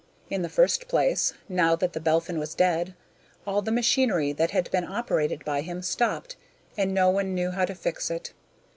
In the first place, now that The Belphin was dead, all the machinery that had been operated by him stopped and no one knew how to fix it.